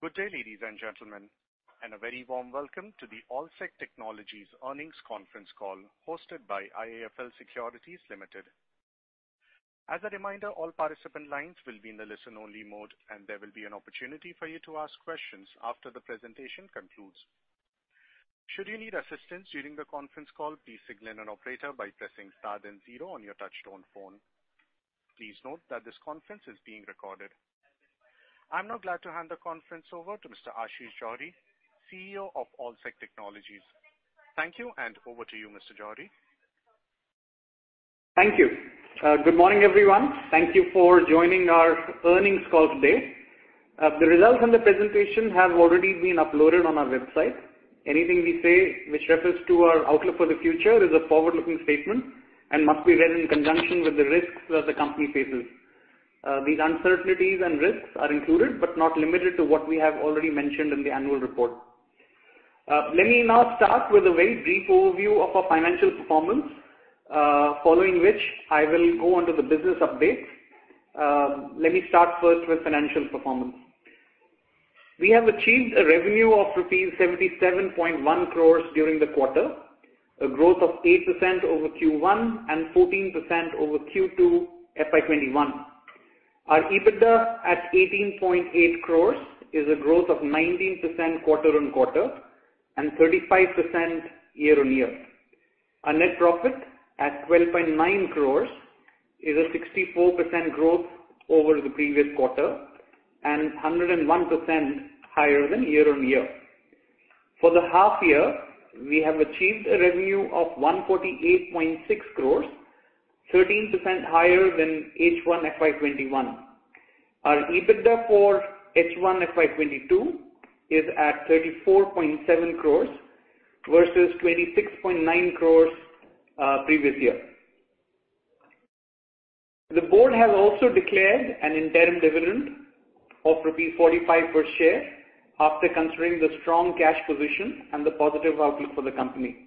Good day, ladies and gentlemen, and a very warm welcome to the Allsec Technologies earnings conference call hosted by IIFL Securities Limited. As a reminder, all participant lines will be in the listen-only mode, and there will be an opportunity for you to ask questions after the presentation concludes. Should you need assistance during the conference call, please signal an operator by pressing star then zero on your touchtone phone. Please note that this conference is being recorded. I'm now glad to hand the conference over to Mr. Ashish Johri, CEO of Allsec Technologies. Thank you, and over to you, Mr. Johri. Thank you. Good morning, everyone. Thank you for joining our earnings call today. The results on the presentation have already been uploaded on our website. Anything we say which refers to our outlook for the future is a forward-looking statement and must be read in conjunction with the risks that the company faces. These uncertainties and risks are included, but not limited to what we have already mentioned in the annual report. Let me now start with a very brief overview of our financial performance, following which I will go on to the business updates. Let me start first with financial performance. We have achieved a revenue of rupees 77.1 crores during the quarter, a growth of 8% over Q1 and 14% over Q2 FY 2021. Our EBITDA at 18.8 crores is a growth of 19% quarter-on-quarter and 35% year-on-year. Our net profit at 12.9 crores is a 64% growth over the previous quarter and 101% higher than year-on-year. For the half year, we have achieved a revenue of 148.6 crores, 13% higher than H1 FY 2021. Our EBITDA for H1 FY 2022 is at 34.7 crores versus 26.9 crores previous year. The board has also declared an interim dividend of rupees 45 per share after considering the strong cash position and the positive outlook for the company.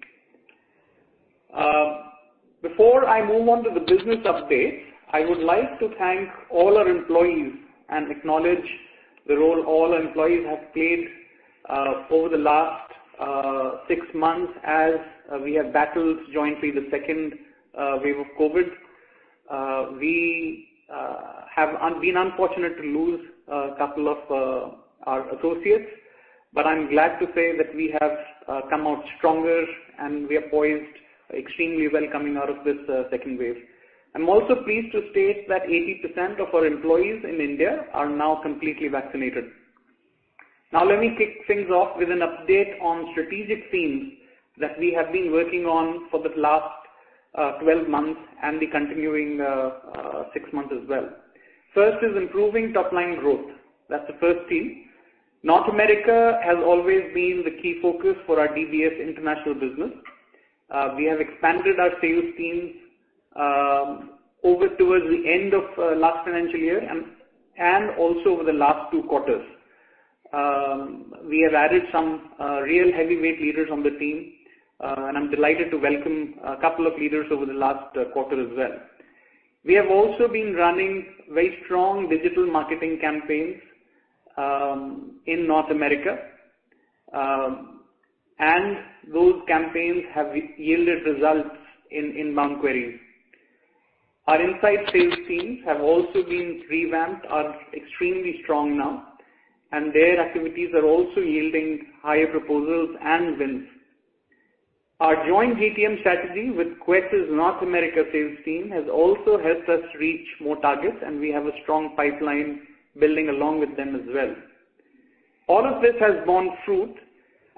Before I move on to the business update, I would like to thank all our employees and acknowledge the role all our employees have played over the last six months as we have battled jointly the second wave of COVID. We have been unfortunate to lose a couple of our associates, but I'm glad to say that we have come out stronger, and we are poised extremely well coming out of this second wave. I'm also pleased to state that 80% of our employees in India are now completely vaccinated. Now let me kick things off with an update on strategic themes that we have been working on for the last 12 months and the continuing six months as well. First is improving top-line growth. That's the first theme. North America has always been the key focus for our DBS international business. We have expanded our sales teams over towards the end of last financial year and also over the last two quarters. We have added some real heavyweight leaders on the team, and I'm delighted to welcome a couple of leaders over the last quarter as well. We have also been running very strong digital marketing campaigns in North America, and those campaigns have yielded results in inbound queries. Our inside sales teams have also been revamped, are extremely strong now, and their activities are also yielding higher proposals and wins. Our joint GTM strategy with Quess's North America sales team has also helped us reach more targets, and we have a strong pipeline building along with them as well. All of this has borne fruit,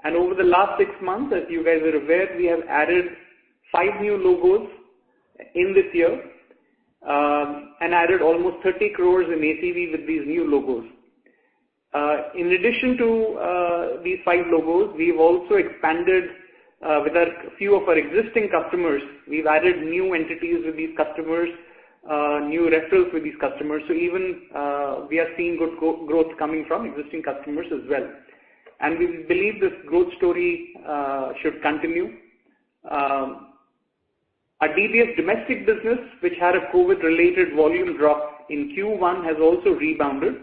and over the last six months, as you guys are aware, we have added five new logos in this year and added almost 30 crores in ACV with these new logos. In addition to these five logos, we've also expanded with a few of our existing customers. We've added new entities with these customers, new rentals with these customers. We are seeing good growth coming from existing customers as well. We believe this growth story should continue. Our DBS domestic business, which had a COVID-related volume drop in Q1, has also rebounded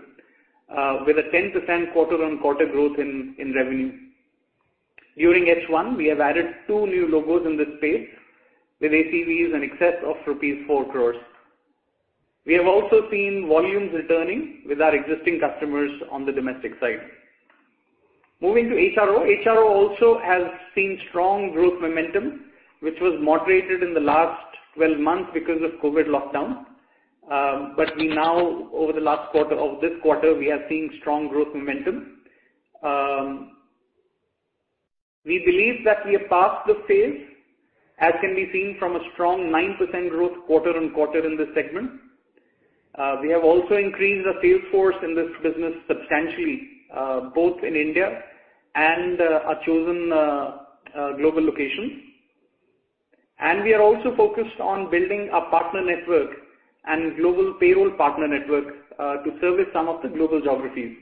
with a 10% quarter-on-quarter growth in revenue. During H1, we have added two new logos in this space with ACVs in excess of rupees 4 crores. We have also seen volumes returning with our existing customers on the domestic side. Moving to HRO. HRO also has seen strong growth momentum, which was moderated in the last 12 months because of COVID lockdown. We now over the last quarter or this quarter, we are seeing strong growth momentum. We believe that we are past this phase, as can be seen from a strong 9% growth quarter-on-quarter in this segment. We have also increased our sales force in this business substantially, both in India and our chosen global locations. We are also focused on building a partner network and global payroll partner network to service some of the global geographies.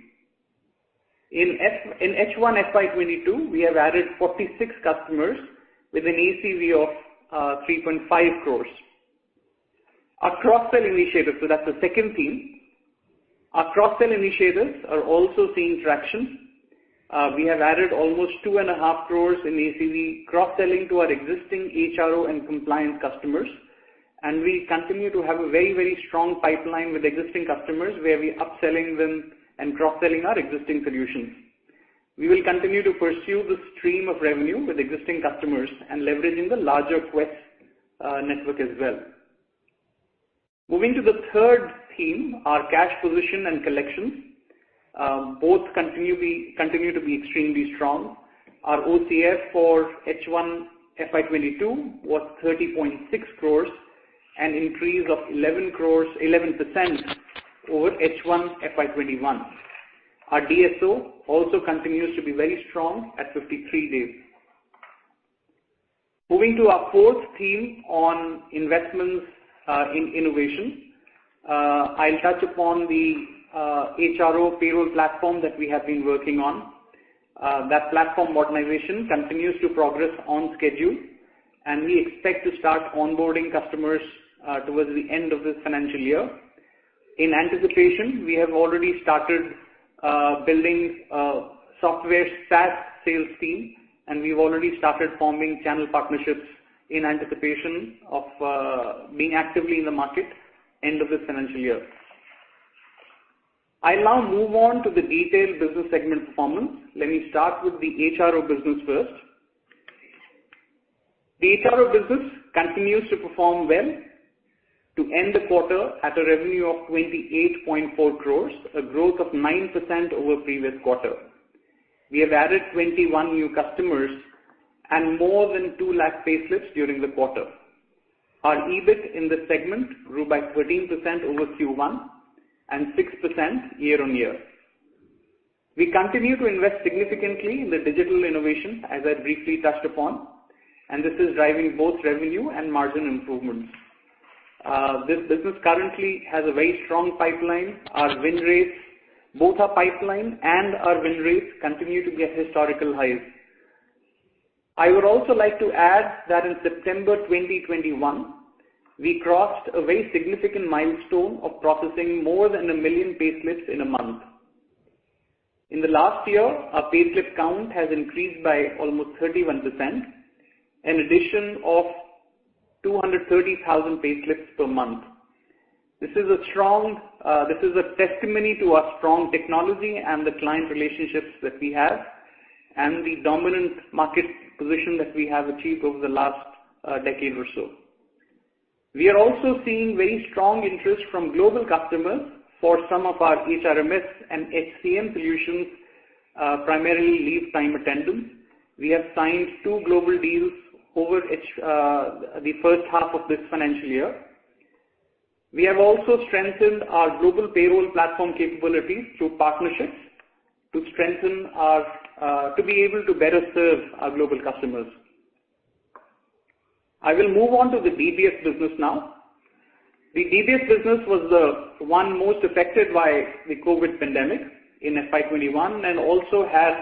In H1 FY 2022, we have added 46 customers with an ACV of 3.5 crores. Our cross-sell initiatives, so that's the second theme. Our cross-sell initiatives are also seeing traction. We have added almost 2.5 crores in ACV cross-selling to our existing HRO and compliance customers, and we continue to have a very, very strong pipeline with existing customers where we're upselling them and cross-selling our existing solutions. We will continue to pursue this stream of revenue with existing customers and leveraging the larger Quess network as well. Moving to the third theme, our cash position and collections continue to be extremely strong. Our OCF for H1 FY 2022 was 30.6 crores, an increase of 11% over H1 FY 2021. Our DSO also continues to be very strong at 53 days. Moving to our fourth theme on investments in innovation. I'll touch upon the HRO payroll platform that we have been working on. That platform modernization continues to progress on schedule, and we expect to start onboarding customers towards the end of this financial year. In anticipation, we have already started building a software SaaS sales team, and we've already started forming channel partnerships in anticipation of being actively in the market end of this financial year. I now move on to the detailed business segment performance. Let me start with the HRO business first. The HRO business continues to perform well to end the quarter at a revenue of 28.4 crores, a growth of 9% over previous quarter. We have added 21 new customers and more than two lakh payslips during the quarter. Our EBIT in this segment grew by 13% over Q1 and 6% year-on-year. We continue to invest significantly in the digital innovation, as I briefly touched upon, and this is driving both revenue and margin improvements. This business currently has a very strong pipeline. Our win rates, both our pipeline and our win rates continue to be at historical highs. I would also like to add that in September 2021, we crossed a very significant milestone of processing more than one million payslips in a month. In the last year, our payslip count has increased by almost 31%, an addition of 230,000 payslips per month. This is a strong testimony to our strong technology and the client relationships that we have and the dominant market position that we have achieved over the last decade or so. We are also seeing very strong interest from global customers for some of our HRMS and HCM solutions, primarily leave time attendance. We have signed two global deals over the first half of this financial year. We have also strengthened our global payroll platform capabilities through partnerships to be able to better serve our global customers. I will move on to the DBS business now. The DBS business was the one most affected by the COVID pandemic in FY 2021 and also had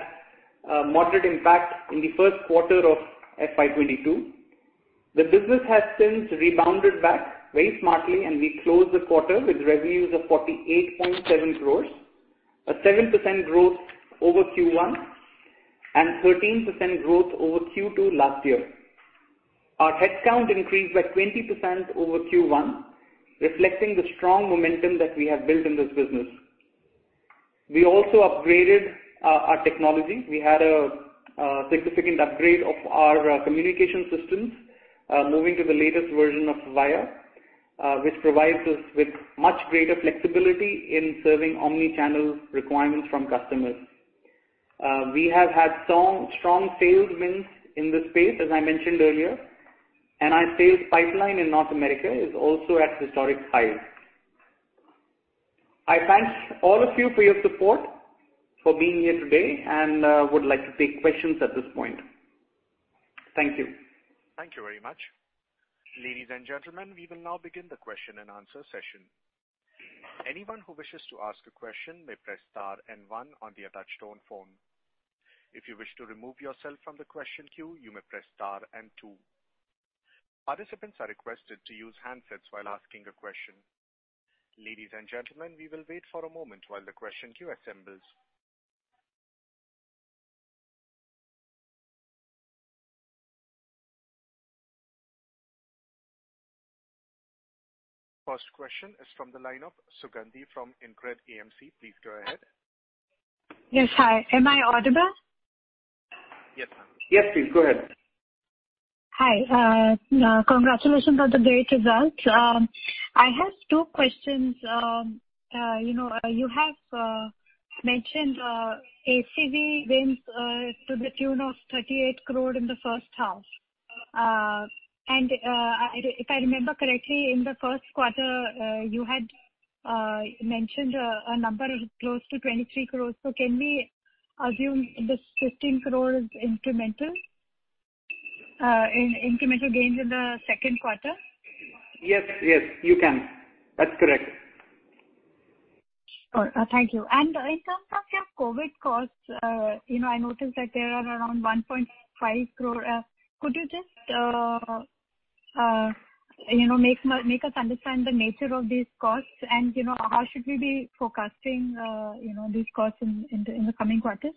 a moderate impact in the first quarter of FY 2022. The business has since rebounded back very smartly, and we closed the quarter with revenues of 48.7 crores, a 7% growth over Q1 and 13% growth over Q2 last year. Our headcount increased by 20% over Q1, reflecting the strong momentum that we have built in this business. We also upgraded our technology. We had a significant upgrade of our communication systems, moving to the latest version of Avaya, which provides us with much greater flexibility in serving omni-channel requirements from customers. We have had strong sales wins in this space, as I mentioned earlier, and our sales pipeline in North America is also at historic highs. I thank all of you for your support, for being here today and would like to take questions at this point. Thank you. Thank you very much. Ladies and gentlemen, we will now begin the question-and-answer session. Anyone who wishes to ask a question may press star and one on the touchtone phone. If you wish to remove yourself from the question queue, you may press star and two. Participants are requested to use handsets while asking a question. Ladies and gentlemen, we will wait for a moment while the question queue assembles. First question is from the line of Sugandhi from InCred AMC. Please go ahead. Yes. Hi. Am I audible? Yes. Yes, please go ahead. Hi. Congratulations on the great results. I have two questions. You know, you have mentioned ACV wins to the tune of 38 crore in the first half. If I remember correctly, in the first quarter, you had mentioned a number close to 23 crores. Can we assume this 15 crore is incremental in incremental gains in the second quarter? Yes. Yes, you can. That's correct. Thank you. In terms of your COVID costs, you know, I noticed that there are around 1.5 crore. Could you just, you know, make us understand the nature of these costs and, you know, how should we be forecasting these costs in the coming quarters?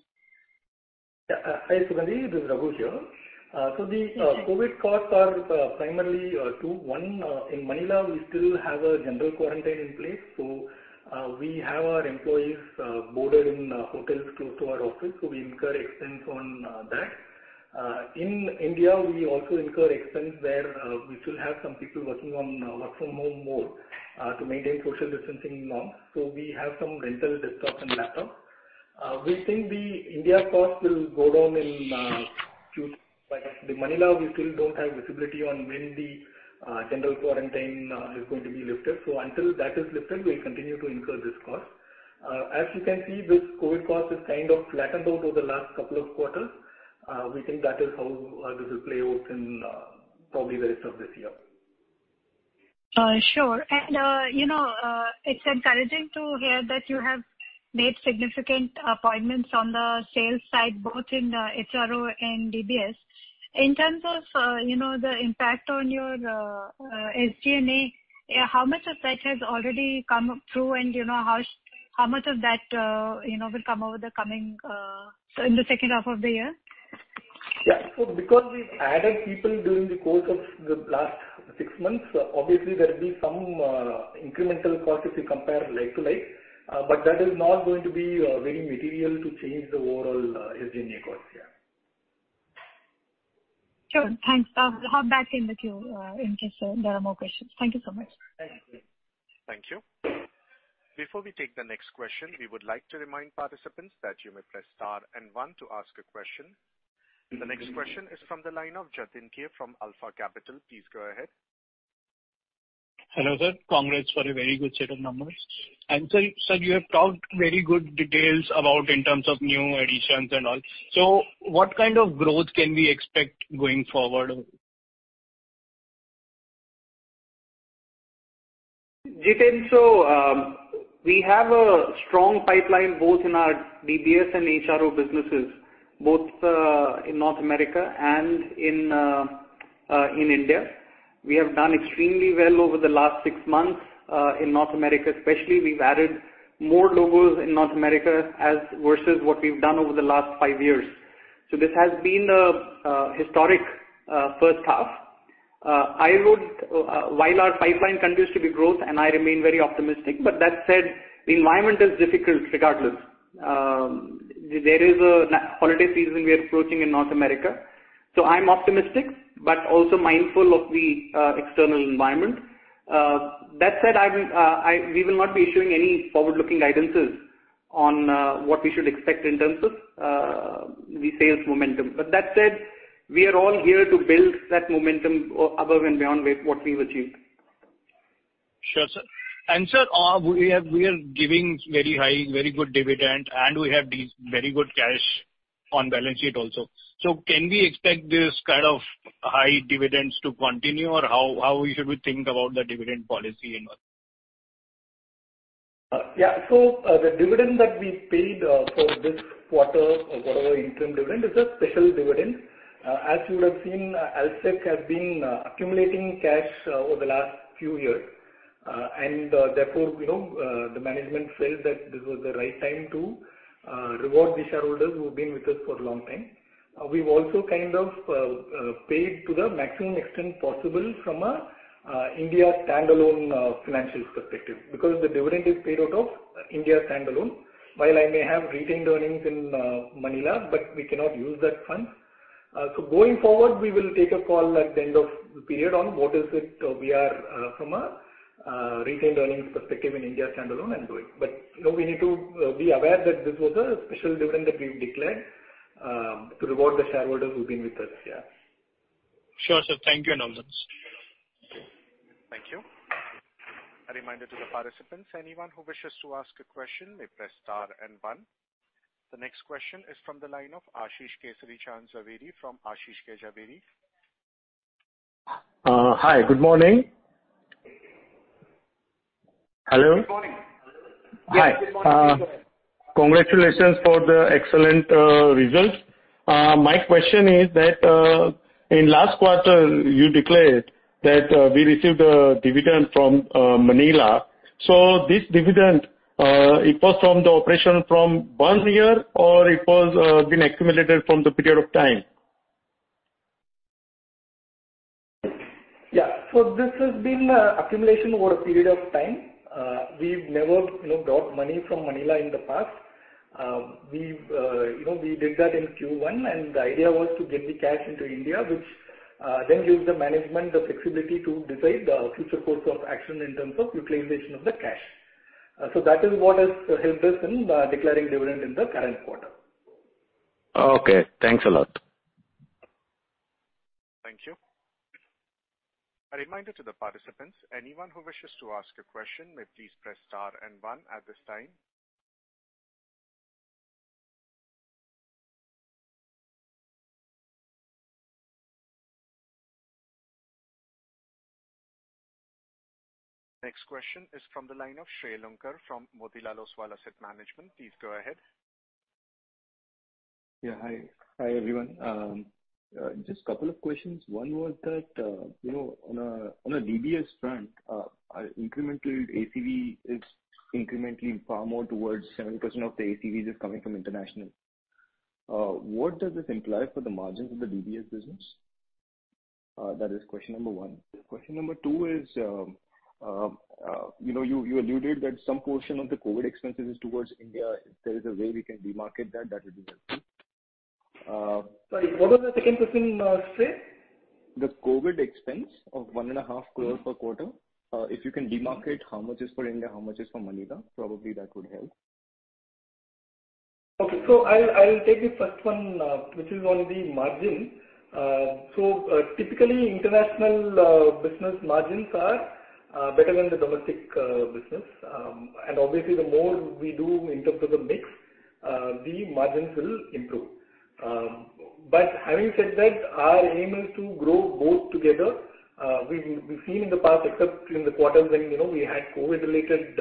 Yeah. Hi, Sugandhi. This is Raghu here, so the Yes. COVID costs are primarily two. One in Manila, we still have a general quarantine in place, so we have our employees boarded in hotels close to our office, so we incur expense on that. In India, we also incur expense where we still have some people working on work from home more to maintain social distancing norms. We have some rental desktops and laptop. We think the India cost will go down in Q- but the Manila we still don't have visibility on when the general quarantine is going to be lifted. Until that is lifted, we'll continue to incur this cost. As you can see, this COVID cost has kind of flattened out over the last couple of quarters. We think that is how this will play out in probably the rest of this year. Sure. You know, it's encouraging to hear that you have made significant appointments on the sales side, both in HRO and DBS. In terms of you know, the impact on your SG&A, how much of that has already come through and, you know, how much of that will come over the coming so in the second half of the year? Yeah. Because we've added people during the course of the last six months, obviously there'll be some incremental costs if you compare like to like. That is not going to be very material to change the overall SG&A costs. Yeah. Sure. Thanks. I'll hop back in with you, in case there are more questions. Thank you so much. Thanks. Thank you. Before we take the next question, we would like to remind participants that you may press star and one to ask a question. The next question is from the line of Jitendra from Alpha Capital. Please go ahead. Hello, sir. Congrats for a very good set of numbers. Sir, you have talked very good details about in terms of new additions and all. What kind of growth can we expect going forward? Jiten, we have a strong pipeline both in our DBS and HRO businesses in North America and in India. We have done extremely well over the last six months. In North America especially, we've added more logos in North America as versus what we've done over the last five years. This has been a historic first half. While our pipeline continues to grow and I remain very optimistic, but that said, the environment is difficult regardless. There is a holiday season we are approaching in North America. I'm optimistic, but also mindful of the external environment. That said, we will not be issuing any forward-looking guidances on what we should expect in terms of the sales momentum. That said, we are all here to build that momentum above and beyond with what we've achieved. Sure, sir. We are giving very high, very good dividend, and we have the very good cash on balance sheet also. Can we expect this kind of high dividends to continue, or how we should think about the dividend policy in what? The dividend that we paid for this quarter or whatever interim dividend is a special dividend. As you would have seen, Allsec has been accumulating cash over the last few years. Therefore, you know, the management felt that this was the right time to reward the shareholders who've been with us for a long time. We've also kind of paid to the maximum extent possible from a India standalone financials perspective because the dividend is paid out of India standalone. While I may have retained earnings in Manila, but we cannot use that fund. Going forward, we will take a call at the end of the period on what is it we are from a retained earnings perspective in India standalone and do it. You know, we need to be aware that this was a special dividend that we've declared to reward the shareholders who've been with us. Yeah. Sure, sir. Thank you and all the best. Thank you. A reminder to the participants, anyone who wishes to ask a question may press star and one. The next question is from the line of Ashish K.C. Zaveri from Ashish K. Zaveri. Hi. Good morning. Hello? Good morning. Hi. Hi. Good morning. Please go ahead. Congratulations for the excellent results. My question is that, in last quarter you declared that, we received a dividend from, Manila. This dividend, it was from the operation from one year, or it was been accumulated from the period of time? Yeah. This has been accumulation over a period of time. We've never, you know, drawn money from Manila in the past. You know, we did that in Q1, and the idea was to get the cash into India, which then gives the management the flexibility to decide the future course of action in terms of utilization of the cash. That is what has helped us in declaring dividend in the current quarter. Okay. Thanks a lot. Thank you. A reminder to the participants, anyone who wishes to ask a question may please press star and one. At this time Next question is from the line of Shailender from Motilal Oswal Asset Management. Please go ahead. Hi, everyone. Just a couple of questions. One was that, you know, on a DBS front, our incremental ACV is incrementally far more towards 7% of the ACV is coming from international. What does this imply for the margins of the DBS business? That is question number one. Question number two is, you know, you alluded that some portion of the COVID expenses is towards India. If there is a way we can demarcate that would be helpful. Sorry, what was the second question, Shail? The COVID expense of 1.5 crore per quarter, if you can demarcate how much is for India, how much is for Manila, probably that would help. Okay. I'll take the first one, which is on the margin. Typically, international business margins are better than the domestic business. Obviously the more we do in terms of the mix, the margins will improve. Having said that, our aim is to grow both together. We've seen in the past, except in the quarters when you know we had COVID-related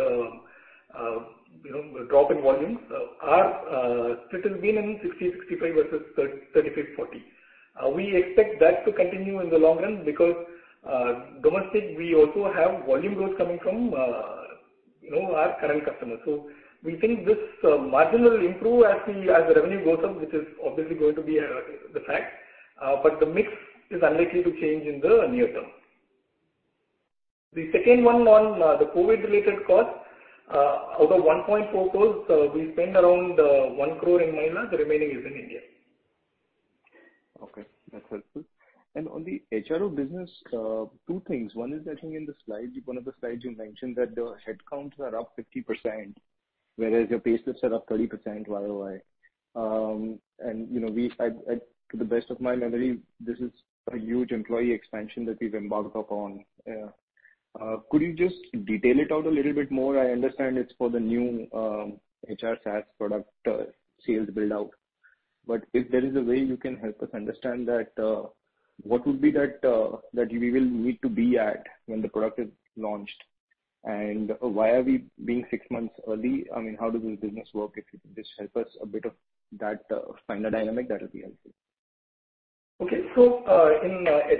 drop in volumes, our split has been 60-65 versus 35-40. We expect that to continue in the long run because domestic we also have volume growth coming from you know our current customers. We think this margin will improve as the revenue goes up, which is obviously going to be the fact, but the mix is unlikely to change in the near term. The second one on the COVID-related cost out of 1.4 crore, we spend around 1 crore in Manila. The remaining is in India. Okay. That's helpful. On the HRO business, two things. One is I think in the slides, one of the slides you mentioned that the headcounts are up 50%, whereas your pay slips are up 30% YOY. You know, to the best of my memory, this is a huge employee expansion that we've embarked upon. Could you just detail it out a little bit more? I understand it's for the new HR SaaS product sales build-out. But if there is a way you can help us understand that, what would be that we will need to be at when the product is launched, and why are we being six months early? I mean, how does this business work? If you could just help us a bit of that finer dynamic, that would be helpful. In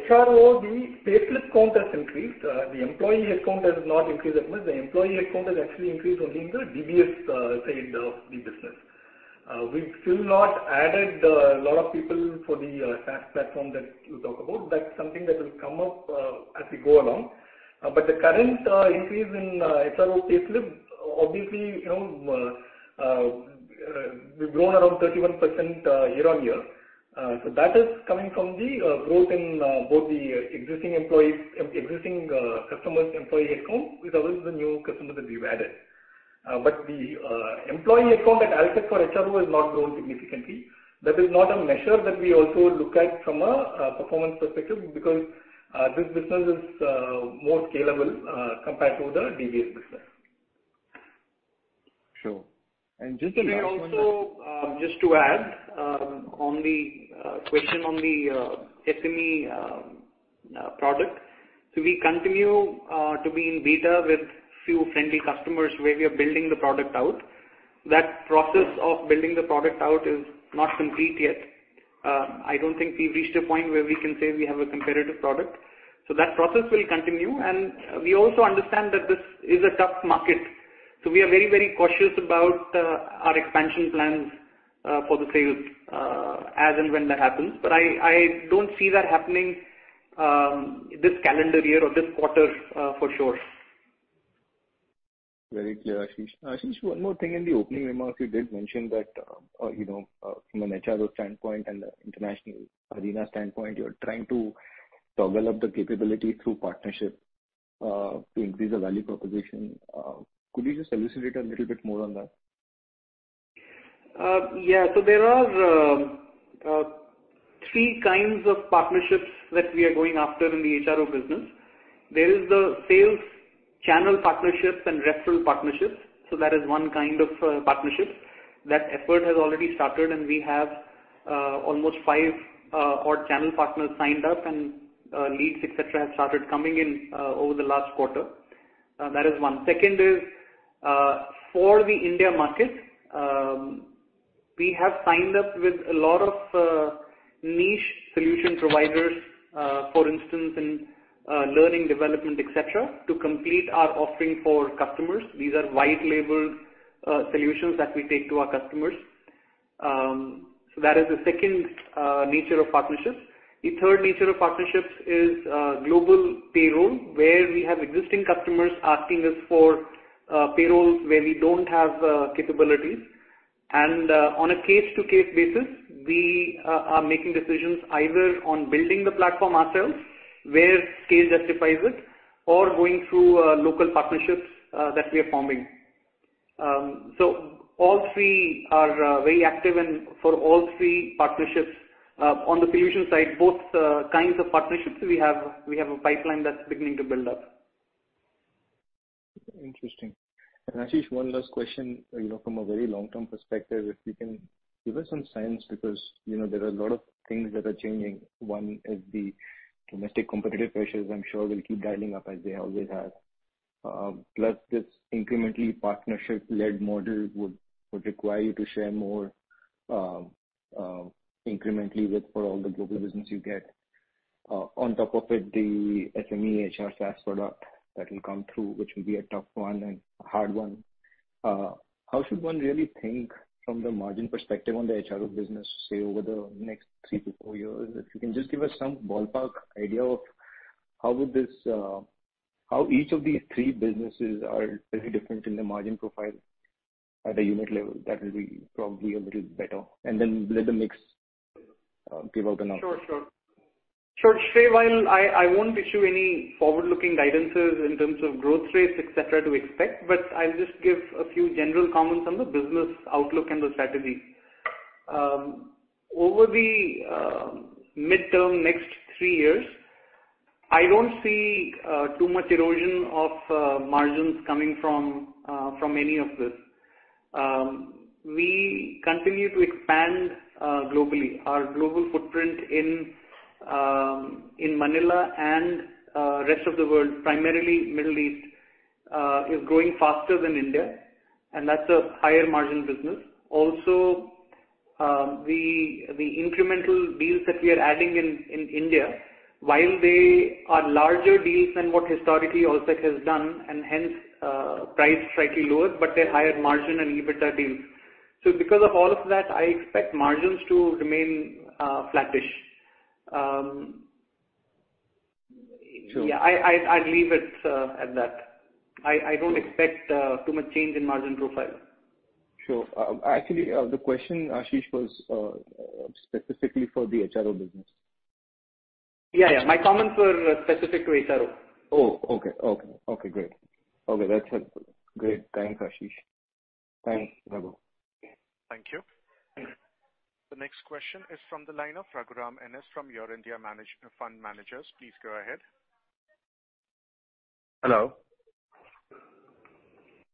HRO, the pay slip count has increased. The employee headcount has not increased that much. The employee headcount has actually increased only in the DBS side of the business. We've still not added a lot of people for the SaaS platform that you talk about. That's something that will come up as we go along. The current increase in HRO pay slip, obviously, you know, we've grown around 31% year-on-year. That is coming from the growth in both the existing customers' employee headcount as well as the new customers that we've added. The employee headcount at Allsec for HRO has not grown significantly. That is not a measure that we also look at from a performance perspective because this business is more scalable compared to the DBS business. Sure. Just the last one- Just to add on the question on the SME product. We continue to be in beta with few friendly customers where we are building the product out. That process of building the product out is not complete yet. I don't think we've reached a point where we can say we have a competitive product. That process will continue, and we also understand that this is a tough market. We are very, very cautious about our expansion plans for the sales as and when that happens. I don't see that happening this calendar year or this quarter for sure. Very clear, Ashish. Ashish, one more thing. In the opening remarks, you did mention that, you know, from an HRO standpoint and international arena standpoint, you're trying to toggle up the capability through partnership, to increase the value proposition. Could you just elucidate a little bit more on that? There are three kinds of partnerships that we are going after in the HRO business. There is the sales channel partnerships and referral partnerships. That is one kind of partnerships. That effort has already started, and we have almost five odd channel partners signed up, and leads, et cetera, have started coming in over the last quarter. That is one. Second is for the India market, we have signed up with a lot of niche solution providers for instance in learning development, et cetera, to complete our offering for customers. These are white labeled solutions that we take to our customers. That is the second nature of partnerships. The third nature of partnerships is global payroll, where we have existing customers asking us for payrolls where we don't have capabilities. On a case to case basis, we are making decisions either on building the platform ourselves where scale justifies it or going through local partnerships that we are forming. All three are very active and for all three partnerships, on the solution side, both kinds of partnerships we have, we have a pipeline that's beginning to build up. Interesting. Ashish, one last question, you know, from a very long-term perspective, if you can give us some sense, because, you know, there are a lot of things that are changing. One is the domestic competitive pressures I'm sure will keep dialing up as they always have. Plus this incrementally partnership-led model would require you to share more incrementally with partners for all the global business you get. On top of it, the SME HR SaaS product that will come through, which will be a tough one and a hard one. How should one really think from the margin perspective on the HRO business, say, over the next three to four years? If you can just give us some ballpark idea of how would this. How each of these three businesses are really different in the margin profile at a unit level, that will be probably a little better. Let the mix give out the numbers. Sure. So, while I won't issue any forward-looking guidances in terms of growth rates, et cetera, to expect, but I'll just give a few general comments on the business outlook and the strategy. Over the midterm next three years, I don't see too much erosion of margins coming from any of this. We continue to expand globally. Our global footprint in Manila and rest of the world, primarily Middle East, is growing faster than India, and that's a higher margin business. Also, the incremental deals that we are adding in India, while they are larger deals than what historically Allsec has done, and hence priced slightly lower, but they're higher margin and EBITDA deals. So because of all of that, I expect margins to remain flattish. Sure. Yeah. I'd leave it at that. I don't expect too much change in margin profile. Sure. Actually, the question, Ashish, was specifically for the HRO business. Yeah. My comments were specific to HRO. Okay, great. That's helpful. Great. Thanks, Ashish. Thanks, Raghu. Thank you. The next question is from the line of Raghuram NS from Your India Manage Fund Managers. Please go ahead. Hello.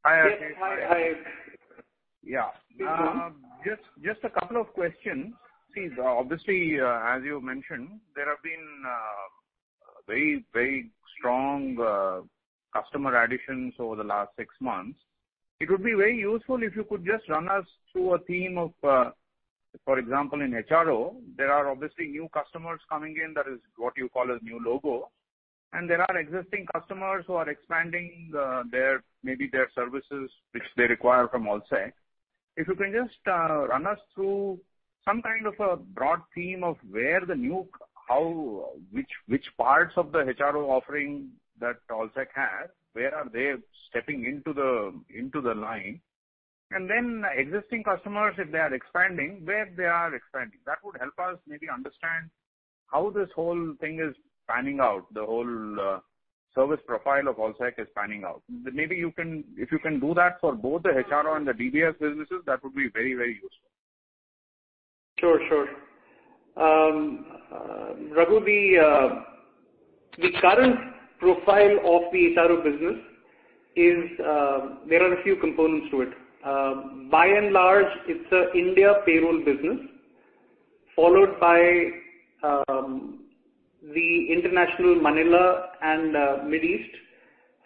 Hi, Raghunath. Yes. Hi. Hi. Yeah. Please go on. Just a couple of questions. See, obviously, as you mentioned, there have been very strong customer additions over the last six months. It would be very useful if you could just run us through a theme of, for example, in HRO, there are obviously new customers coming in, that is what you call as new logo. There are existing customers who are expanding their maybe services which they require from Allsec. If you can just run us through some kind of a broad theme of where the new... How, which parts of the HRO offering that Allsec has, where are they stepping into the, into the line? Then existing customers, if they are expanding, where they are expanding. That would help us maybe understand how this whole thing is panning out, the whole service profile of Allsec is panning out. If you can do that for both the HRO and the DBS businesses, that would be very, very useful. Sure, sure. Raghunath, the current profile of the HRO business is, there are a few components to it. By and large, it's an India payroll business, followed by the international Manila and Mid East,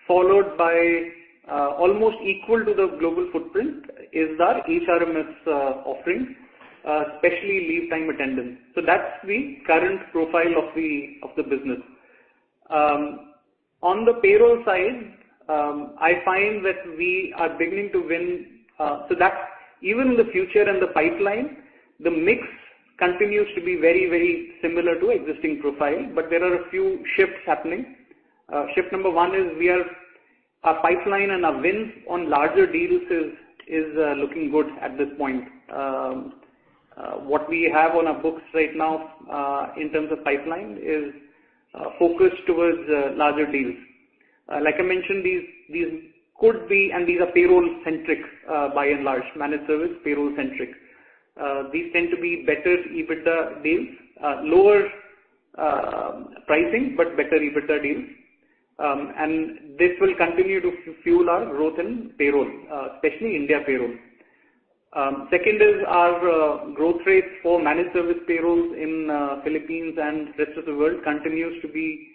followed by almost equal to the global footprint is our HRMS offerings, especially leave time attendance. That's the current profile of the business. On the payroll side, I find that we are beginning to win, so that's even the future and the pipeline, the mix continues to be very, very similar to existing profile, but there are a few shifts happening. Shift number one is our pipeline and our wins on larger deals is looking good at this point. What we have on our books right now, in terms of pipeline, is focused towards larger deals. Like I mentioned, these could be, and these are payroll-centric, by and large. Managed service, payroll-centric. These tend to be better EBITDA deals. Lower pricing, but better EBITDA deals. This will continue to fuel our growth in payroll, especially India payroll. Second is our growth rate for managed service payrolls in Philippines and rest of the world continues to be.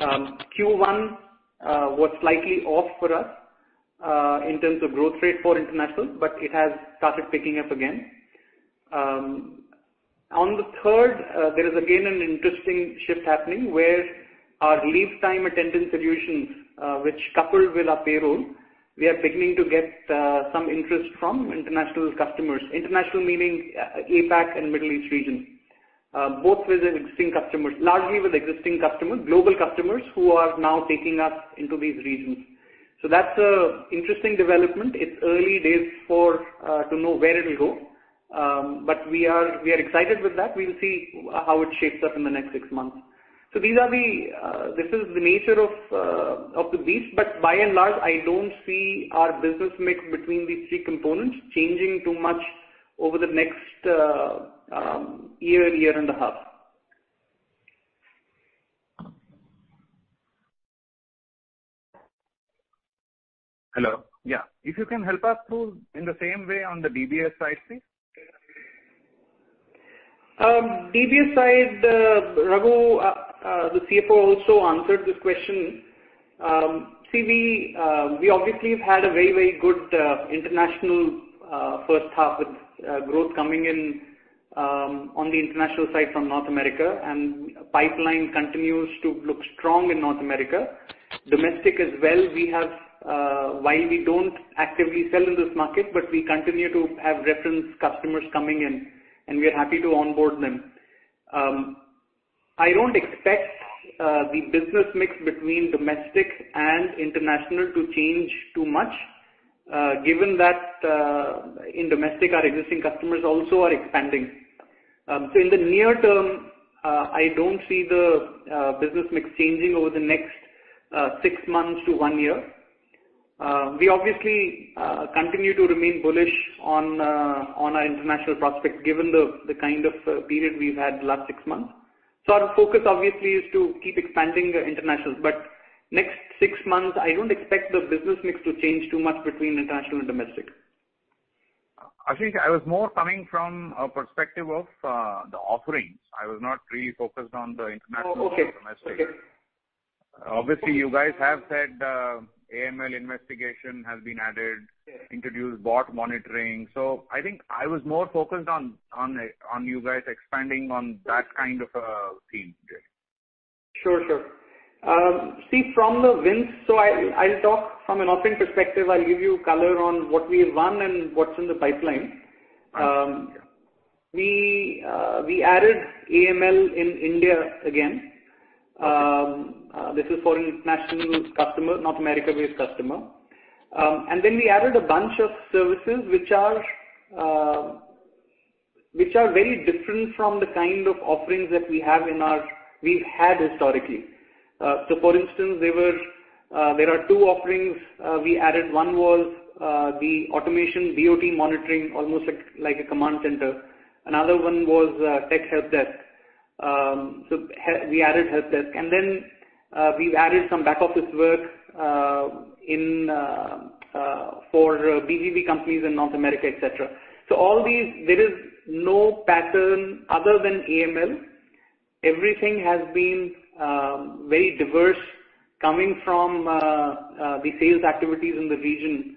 Q1 was slightly off for us in terms of growth rate for international, but it has started picking up again. On the third, there is again an interesting shift happening, where our leave time attendance solution, which coupled with our payroll, we are beginning to get some interest from international customers. International meaning, APAC and Middle East region. Both with existing customers. Largely with existing customers, global customers who are now taking us into these regions. That's an interesting development. It's early days for to know where it'll go. We are excited with that. We'll see how it shapes up in the next six months. These are the, this is the nature of of the beast. By and large, I don't see our business mix between these three components changing too much over the next year and a half. Hello? Yeah. If you can help us to, in the same way on the DBS side, please. DBS side, Raghunath, the CFO also answered this question. See, we obviously have had a very good international first half with growth coming in on the international side from North America, and pipeline continues to look strong in North America. Domestic as well, we have, while we don't actively sell in this market, but we continue to have reference customers coming in, and we're happy to onboard them. I don't expect the business mix between domestic and international to change too much, given that in domestic our existing customers also are expanding. In the near term, I don't see the business mix changing over the next six months to one year. We obviously continue to remain bullish on our international prospects given the kind of period we've had the last six months. Our focus obviously is to keep expanding internationals. Next six months, I don't expect the business mix to change too much between international and domestic. Ashish, I was more coming from a perspective of the offerings. I was not really focused on the international or domestic. Oh, okay. Okay. Obviously, you guys have said, AML investigation has been added. Yes. Introduced bot monitoring. I think I was more focused on you guys expanding on that kind of a theme today. Sure, sure. See from the wins. I'll talk from an offering perspective. I'll give you color on what we've won and what's in the pipeline. We added AML in India again. This is for an international customer, North America-based customer. We added a bunch of services which are very different from the kind of offerings that we've had historically. For instance, there are two offerings we added. One was the automation BOT monitoring, almost like a command center. Another one was tech helpdesk. We added helpdesk. We've added some back office work in for B2B companies in North America, et cetera. All these, there is no pattern other than AML. Everything has been very diverse coming from the sales activities in the region,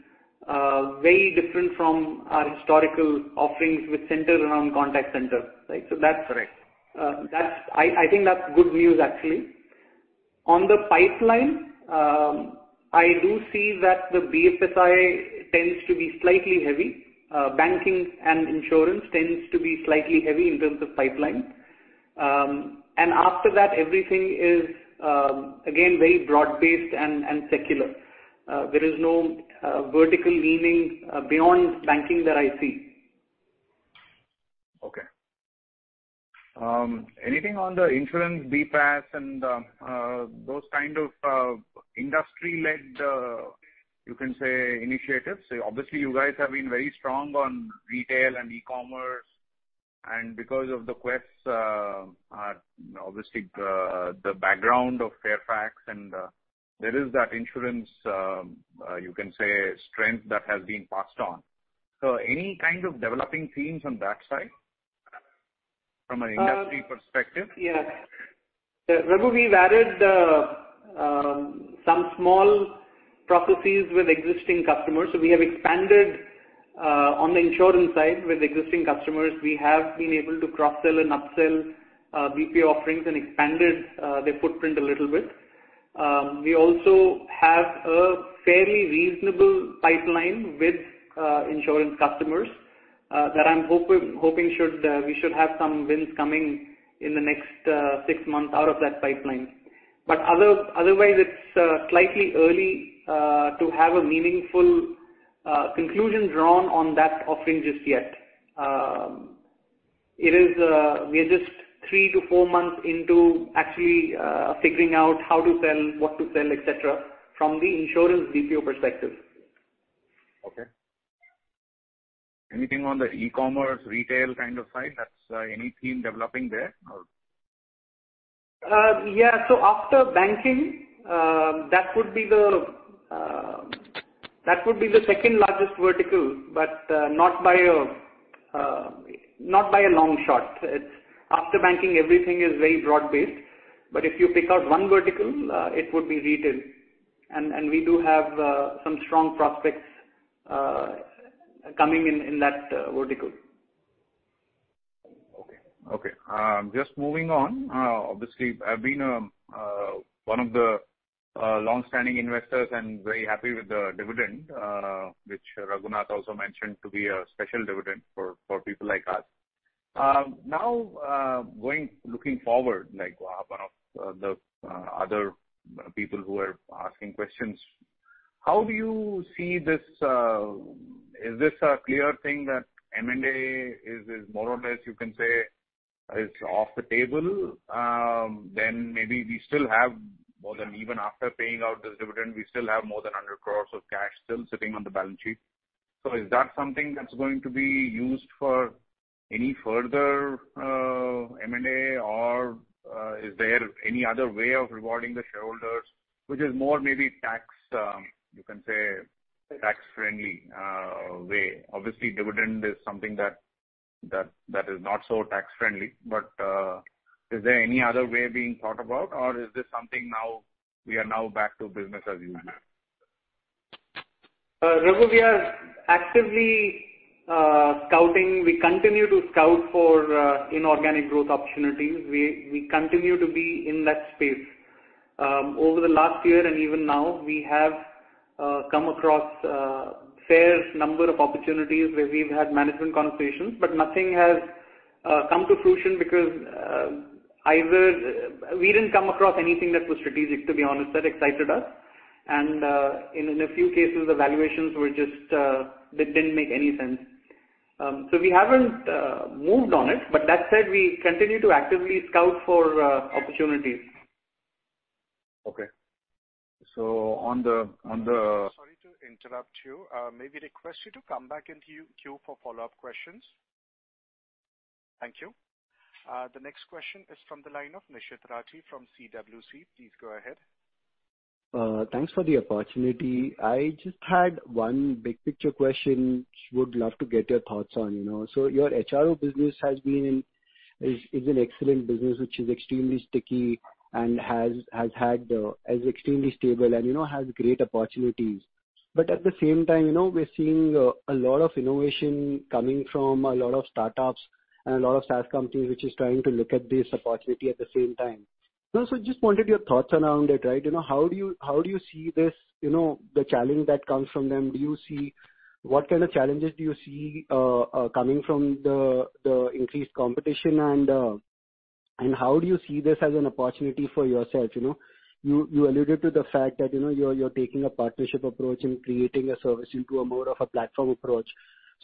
very different from our historical offerings which center around contact center. Right? That's- Correct. That's good news actually. On the pipeline, I do see that the BFSI tends to be slightly heavy. Banking and insurance tends to be slightly heavy in terms of pipeline. After that, everything is again very broad-based and secular. There is no vertical leaning beyond banking that I see. Okay. Anything on the insurance BPaaS and those kind of industry-led, you can say initiatives? Obviously, you guys have been very strong on retail and e-commerce, and because of the Quess, we have the background of Fairfax, and there is that insurance, you can say strength that has been passed on. Any kind of developing themes on that side from an industry perspective? Raghunath, we've added some small processes with existing customers. We have expanded on the insurance side with existing customers. We have been able to cross-sell and up-sell BPO offerings and expanded their footprint a little bit. We also have a fairly reasonable pipeline with insurance customers that I'm hoping we should have some wins coming in the next six months out of that pipeline. Otherwise, it's slightly early to have a meaningful conclusion drawn on that offering just yet. We are just three-four months into actually figuring out how to sell, what to sell, et cetera, from the insurance BPO perspective. Okay. Anything on the e-commerce, retail kind of side that's any theme developing there or? Yeah. After banking, that would be the second-largest vertical, but not by a long shot. It's after banking, everything is very broad-based. If you pick out one vertical, it would be retail. We do have some strong prospects coming in in that vertical. Okay, just moving on. Obviously, I've been one of the longstanding investors and very happy with the dividend, which Raghunath also mentioned to be a special dividend for people like us. Now, going forward, like one of the other people who are asking questions, how do you see this? Is this a clear thing that M&A is more or less you can say is off the table? Maybe we still have more than, even after paying out this dividend, we still have more than 100 crores of cash still sitting on the balance sheet. Is that something that's going to be used for any further M&A or is there any other way of rewarding the shareholders which is more maybe tax, you can say tax-friendly way? Obviously, dividend is something that is not so tax-friendly. Is there any other way being thought about, or is this something now we are back to business as you manage? Raghunath, we are actively scouting. We continue to scout for inorganic growth opportunities. We continue to be in that space. Over the last year and even now, we have come across a fair number of opportunities where we've had management conversations, but nothing has come to fruition because either we didn't come across anything that was strategic, to be honest, that excited us, and in a few cases, the valuations were just, they didn't make any sense. We haven't moved on it. That said, we continue to actively scout for opportunities. Okay. On the Sorry to interrupt you. May we request you to come back into queue for follow-up questions? Thank you. The next question is from the line of Nishit Rathi from CWC. Please go ahead. Thanks for the opportunity. I just had one big picture question, would love to get your thoughts on, you know. Your HRO business is an excellent business, which is extremely sticky and has had, is extremely stable and, you know, has great opportunities. At the same time, you know, we're seeing a lot of innovation coming from a lot of startups and a lot of SaaS companies which is trying to look at this opportunity at the same time. Just wanted your thoughts around it, right? You know, how do you see this, you know, the challenge that comes from them? What kind of challenges do you see coming from the increased competition and how do you see this as an opportunity for yourself, you know? You alluded to the fact that, you know, you're taking a partnership approach and creating a service into a more of a platform approach.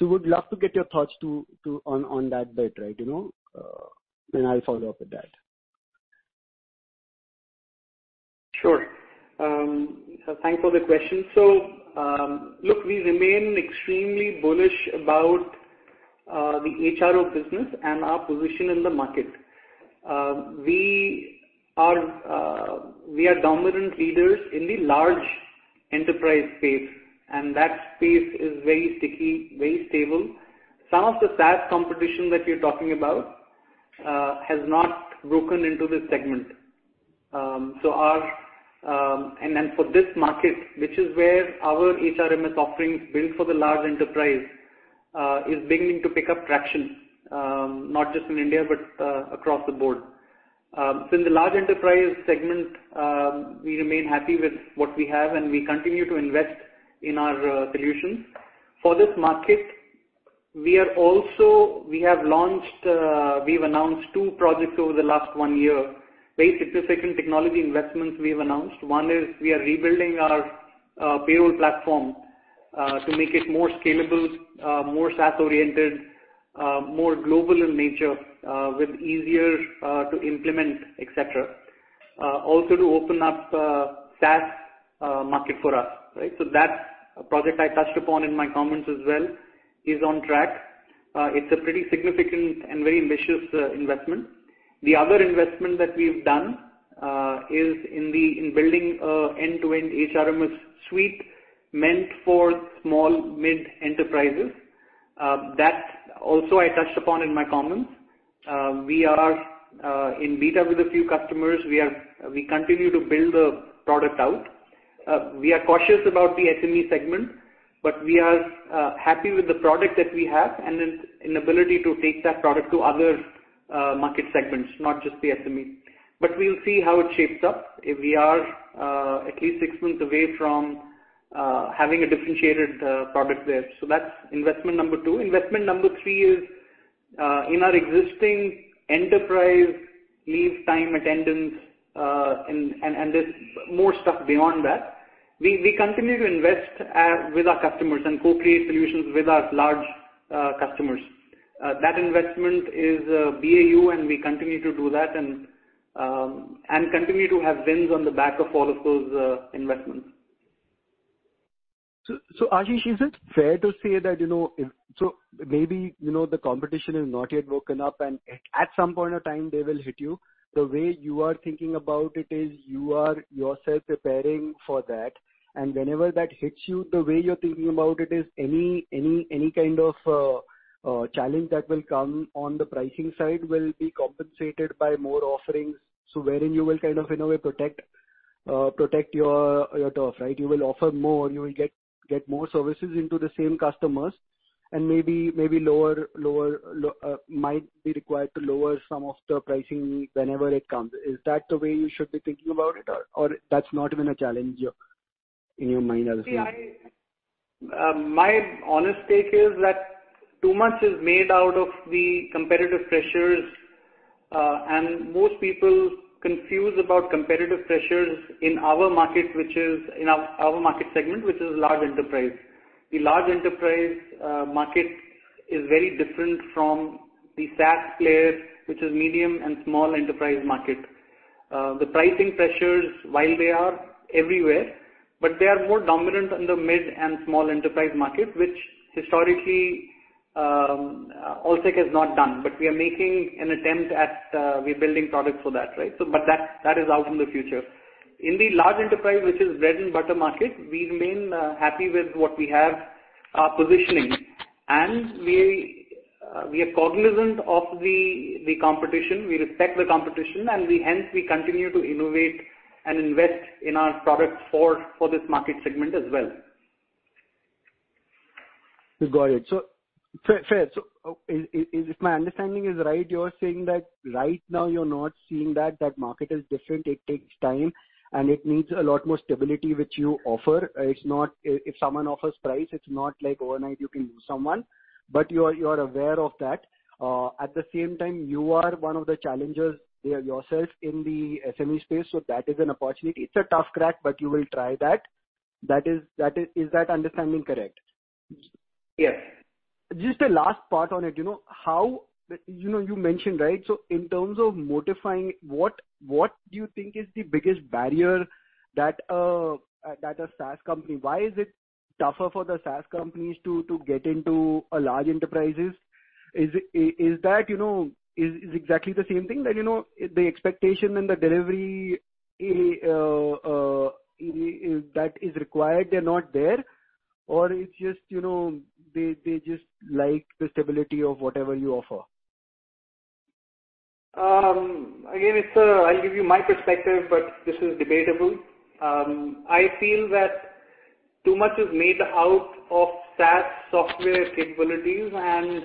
Would love to get your thoughts on that bit, right, you know, and I'll follow up with that. Sure. Thanks for the question. Look, we remain extremely bullish about the HRO business and our position in the market. We are dominant leaders in the large enterprise space, and that space is very sticky, very stable. Some of the SaaS competition that you're talking about has not broken into this segment. For this market, which is where our HRMS offerings built for the large enterprise is beginning to pick up traction, not just in India, but across the board. In the large enterprise segment, we remain happy with what we have, and we continue to invest in our solutions. For this market, we are also. We have launched. We've announced two projects over the last one year, very significant technology investments we've announced. One is we are rebuilding our payroll platform to make it more scalable, more SaaS-oriented, more global in nature, with easier to implement, et cetera. Also to open up SaaS market for us, right? That's a project I touched upon in my comments as well, is on track. It's a pretty significant and very ambitious investment. The other investment that we've done is in building an end-to-end HRMS suite meant for small mid-enterprises. That also I touched upon in my comments. We are in beta with a few customers. We continue to build the product out. We are cautious about the SME segment, but we are happy with the product that we have and then an ability to take that product to other market segments, not just the SME. We'll see how it shapes up. We are at least six months away from having a differentiated product there. That's investment number two. Investment number three is in our existing enterprise leave time attendance, and there's more stuff beyond that. We continue to invest with our customers and co-create solutions with our large customers. That investment is BAU, and we continue to do that and continue to have wins on the back of all of those investments. Ashish, is it fair to say that, you know, maybe the competition has not yet woken up, and at some point of time, they will hit you? The way you are thinking about it is you are yourself preparing for that. Whenever that hits you, the way you're thinking about it is any kind of challenge that will come on the pricing side will be compensated by more offerings. Wherein you will kind of, in a way, protect your turf, right? You will offer more, you will get more services into the same customers and maybe lower might be required to lower some of the pricing whenever it comes. Is that the way you should be thinking about it or that's not even a challenge in your mind as of now? See, my honest take is that too much is made out of the competitive pressures, and most people are confused about competitive pressures in our market, which is in our market segment, which is large enterprise. The large enterprise market is very different from the SaaS player, which is medium and small enterprise market. The pricing pressures while they are everywhere, but they are more dominant in the mid and small enterprise market, which historically Allsec has not done. We are making an attempt at, we're building products for that, right? That is out in the future. In the large enterprise, which is bread-and-butter market, we remain happy with what we have, positioning. We are cognizant of the competition. We respect the competition, and hence we continue to innovate and invest in our products for this market segment as well. Got it. So far. If my understanding is right, you are saying that right now you're not seeing that that market is different. It takes time, and it needs a lot more stability, which you offer. It's not if someone offers price, it's not like overnight you can lose someone, but you are aware of that. At the same time, you are one of the challengers there yourself in the SME space, so that is an opportunity. It's a tough crack, but you will try that. That is. Is that understanding correct? Yes. Just a last part on it. You know, how you mentioned, right? In terms of modifying, what do you think is the biggest barrier that a SaaS company Why is it tougher for the SaaS companies to get into large enterprises? Is it, is that, you know, is exactly the same thing that, you know, the expectation and the delivery that is required, they're not there? Or it's just, you know, they just like the stability of whatever you offer? Again, I'll give you my perspective, but this is debatable. I feel that too much is made out of SaaS software capabilities and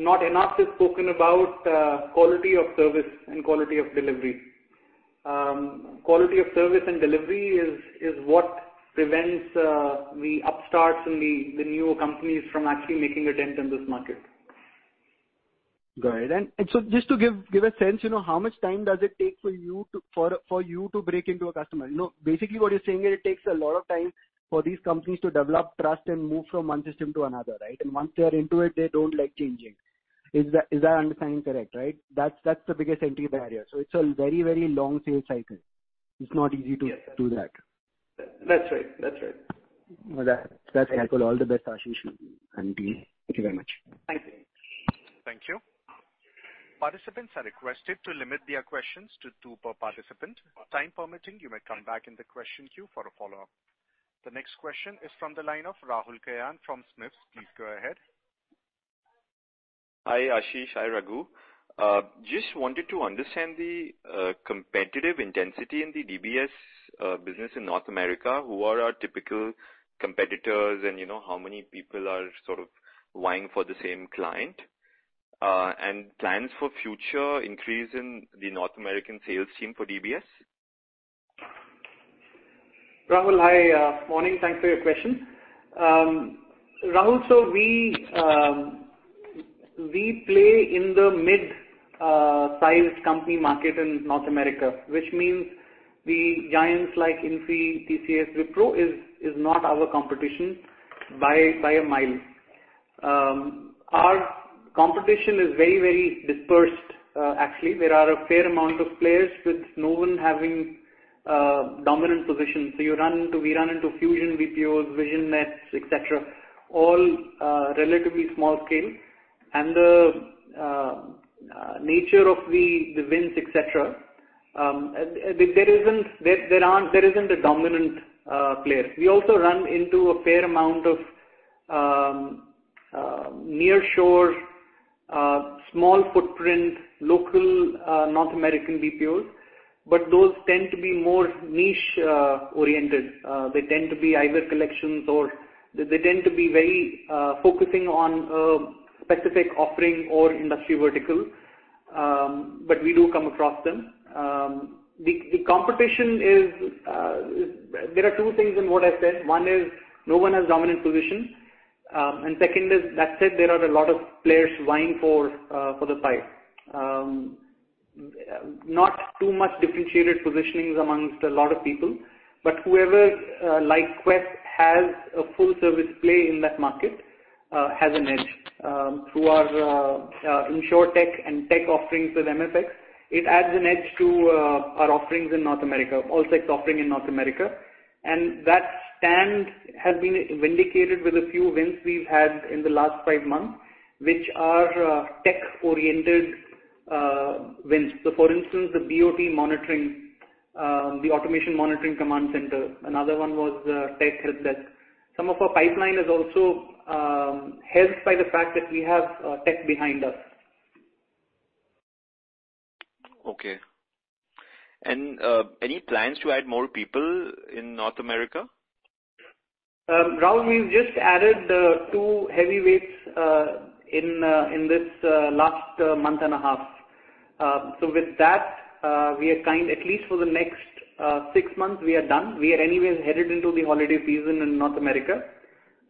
not enough is spoken about quality of service and quality of delivery. Quality of service and delivery is what prevents the upstarts and the newer companies from actually making a dent in this market. Got it. Just to give a sense, you know, how much time does it take for you to break into a customer? You know, basically what you're saying is it takes a lot of time for these companies to develop trust and move from one system to another, right? Once they are into it, they don't like changing. Is that understanding correct, right? That's the biggest entry barrier. It's a very long sales cycle. It's not easy to Yes. do that. That's right. That's right. That's helpful. All the best, Ashish and team. Thank you very much. Thank you. Thank you. Participants are requested to limit their questions to two per participant. Time permitting, you may come back in the question queue for a follow-up. The next question is from the line of Rahul Kayan from SMIFS. Please go ahead. Hi, Ashish. Hi, Raghu. Just wanted to understand the competitive intensity in the DBS business in North America. Who are our typical competitors, and, you know, how many people are sort of vying for the same client? Plans for future increase in the North American sales team for DBS. Rahul, hi. Morning. Thanks for your question. Rahul, so we play in the mid-sized company market in North America, which means the giants like Infy, TCS, Wipro is not our competition by a mile. Our competition is very dispersed. Actually, there are a fair amount of players with no one having a dominant position. We run into Fusion BPOs, Visionet, et cetera, all relatively small scale. The nature of the wins, et cetera, there isn't a dominant player. We also run into a fair amount of nearshore small footprint local North American BPOs, but those tend to be more niche oriented. They tend to be either collections or they tend to be very focused on specific offering or industry vertical, but we do come across them. The competition is there are two things in what I said. One is no one has dominant position. Second is that said, there are a lot of players vying for the pie. Not too much differentiated positionings amongst a lot of people, but whoever like Quess has a full service play in that market has an edge. Through our InsurTech and tech offerings with MFX, it adds an edge to our offerings in North America, Allsec's offering in North America. That stance has been vindicated with a few wins we've had in the last five months, which are tech-oriented wins. For instance, the BOT monitoring, the automation monitoring command center. Another one was the tech helpdesk. Some of our pipeline is also helped by the fact that we have tech behind us. Okay. Any plans to add more people in North America? Rahul, we've just added two heavyweights in this last month and a half. With that, at least for the next six months, we are done. We are anyways headed into the holiday season in North America.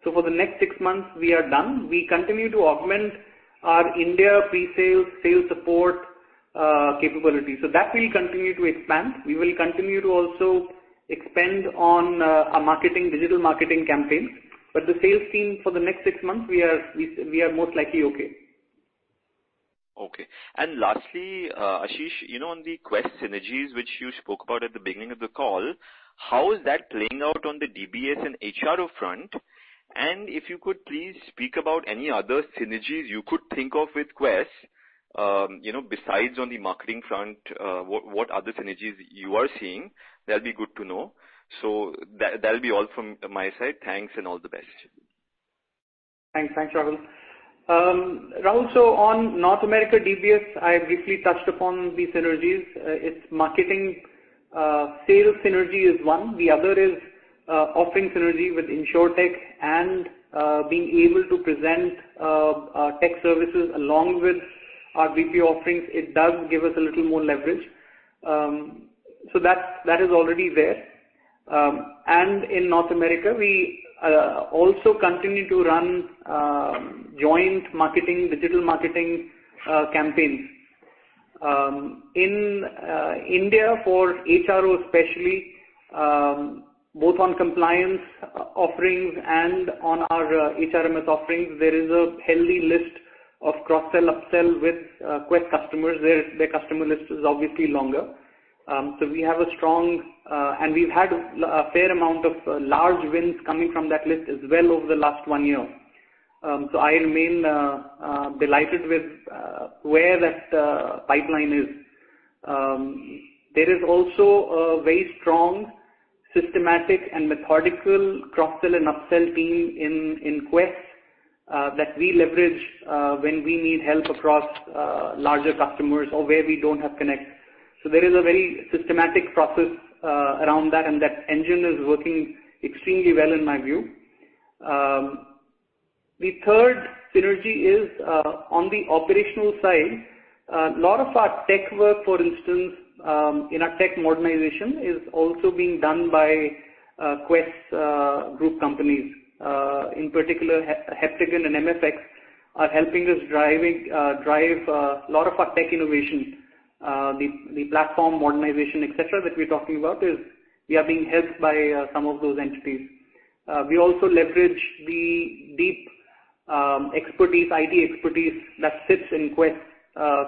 For the next six months we are done. We continue to augment our India pre-sales, sales support capability. That will continue to expand. We will continue to expand on our digital marketing campaigns. The sales team for the next six months, we are most likely okay. Okay. Lastly, Ashish, you know, on the Quess synergies which you spoke about at the beginning of the call, how is that playing out on the DBS and HRO front? If you could please speak about any other synergies you could think of with Quess, you know, besides on the marketing front, what other synergies you are seeing, that'd be good to know. That, that'll be all from my side. Thanks and all the best. Thanks. Thanks, Rahul. Rahul, on North America DBS, I briefly touched upon the synergies. It's marketing sales synergy is one. The other is offering synergy with InsurTech and being able to present our tech services along with our BPO offerings. It does give us a little more leverage. That is already there. In North America, we also continue to run joint marketing, digital marketing campaigns. In India for HRO especially, both on compliance offerings and on our HRMS offerings, there is a healthy list of cross-sell, up-sell with Quess customers. Their customer list is obviously longer. We have a strong. We've had a fair amount of large wins coming from that list as well over the last one year. I remain delighted with where that pipeline is. There is also a very strong systematic and methodical cross-sell and up-sell team in Quess that we leverage when we need help across larger customers or where we don't have connects. There is a very systematic process around that, and that engine is working extremely well in my view. The third synergy is on the operational side. A lot of our tech work, for instance, in our tech modernization is also being done by Quess group companies. In particular Heptagon and MFX are helping us drive a lot of our tech innovations. The platform modernization, et cetera, that we're talking about is we are being helped by some of those entities. We also leverage the deep expertise, IT expertise that sits in Quess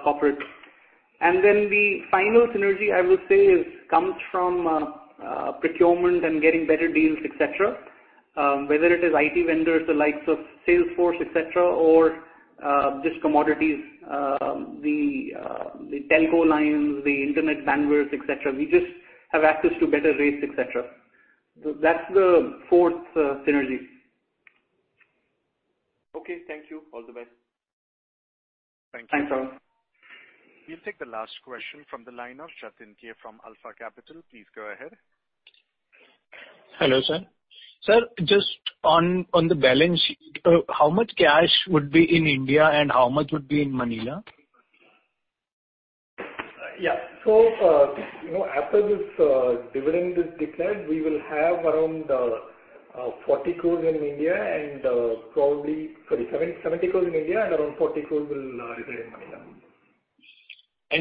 Corp. Then the final synergy I would say comes from procurement and getting better deals, et cetera. Whether it is IT vendors the likes of Salesforce, et cetera, or just commodities, the telco lines, the internet bandwidth, et cetera. We just have access to better rates, et cetera. That's the fourth synergy. Okay. Thank you. All the best. Thank you. Thanks, Rahul. We'll take the last question from the line of Jitender from Alpha Capital. Please go ahead. Hello, sir. Sir, just on the balance sheet, how much cash would be in India and how much would be in Manila? You know, after this dividend is declared, we will have around 70 crore in India and around 40 crore will remain in Manila.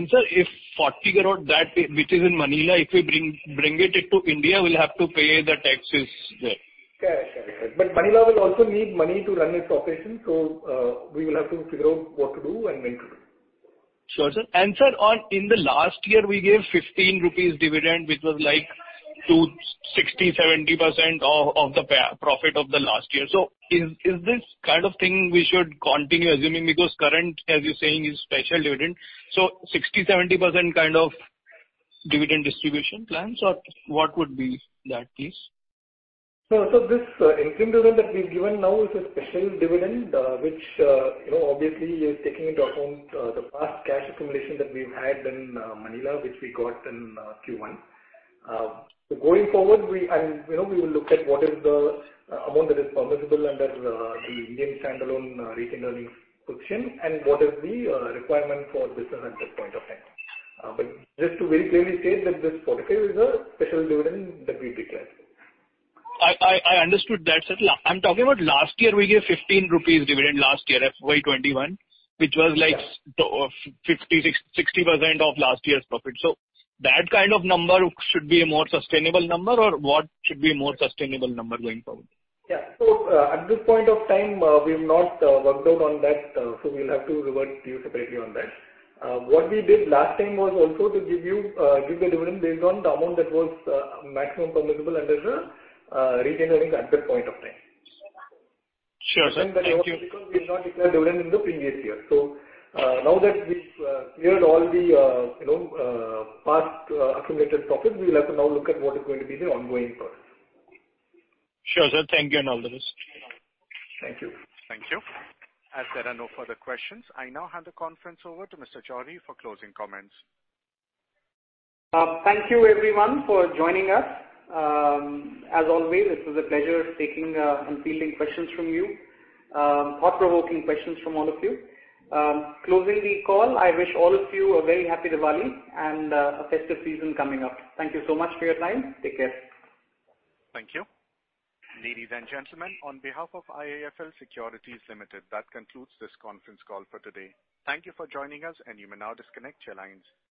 Sir, if 40 crore that, which is in Manila, if we bring it to India, we'll have to pay the taxes there. Correct. Manila will also need money to run its operations, so we will have to figure out what to do and when to do. Sure, sir. Sir, in the last year, we gave 15 rupees dividend, which was like 20%, 60%, 70% of the profit of the last year. Is this kind of thing we should continue assuming because current, as you're saying, is special dividend. 60%, 70% kind of dividend distribution plans or what would be that please? This interim dividend that we've given now is a special dividend, which, you know, obviously is taking into account the past cash accumulation that we've had in Manila, which we got in Q1. Going forward, you know, we will look at what is the amount that is permissible under the Indian standalone retained earnings portion and what is the requirement for business at that point of time. Just to very clearly state that this 40 crore is a special dividend that we declared. I understood that, sir. I'm talking about last year. We gave 15 rupees dividend last year, FY 2021, which was like 50%-60% of last year's profit. That kind of number should be a more sustainable number or what should be a more sustainable number going forward? Yeah. At this point of time, we've not worked out on that, so we'll have to revert to you separately on that. What we did last time was also to give you the dividend based on the amount that was maximum permissible under the retained earnings at that point of time. Sure, sir. Thank you. Because we've not declared dividend in the previous year. Now that we've cleared all the you know past accumulated profit, we'll have to now look at what is going to be the ongoing profits. Sure, sir. Thank you and all the best. Thank you. Thank you. As there are no further questions, I now hand the conference over to Mr. Johri for closing comments. Thank you everyone for joining us. As always, it was a pleasure taking and fielding questions from you. Thought-provoking questions from all of you. Closing the call, I wish all of you a very happy Diwali and a festive season coming up. Thank you so much for your time. Take care. Thank you. Ladies and gentlemen, on behalf of IIFL Securities Limited, that concludes this conference call for today. Thank you for joining us, and you may now disconnect your lines.